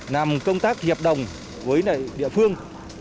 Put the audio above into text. làm công tác hiệp đồng với địa phương